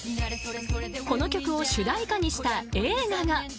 ［この曲を主題歌にした映画が］